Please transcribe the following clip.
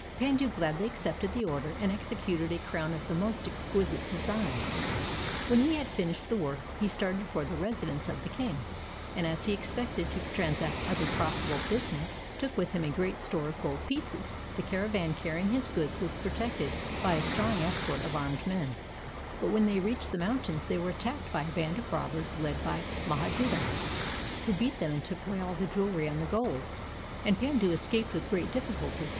Pandu gladly accepted the order and executed a crown of the most exquisite design. WTien he had finished the work, he started for the residence of the king, and as he expected to transact other profitable business, took with him a great store of gold pieces. The caravan carr^ ing his goods was protected by a strong escort of armed men, but when they reached the mountains they were attacked by a band of robbers led by Mahaduta, who beat them and took away all the jewelry and the gold, and Pandu escaped with great difficulty.